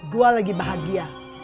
gua lagi bahagia